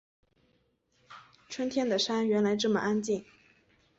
春天的山原来这么安静